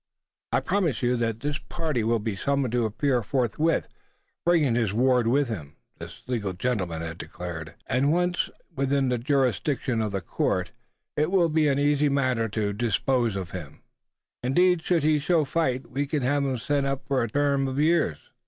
"I promise you that this party will be summoned to appear forthwith, bringing his ward with him," this legal gentleman had declared; "and once within the jurisdiction of the court, it will be an easy matter to dispossess him. Indeed, should he show fight, we can have him sent up for a term of years."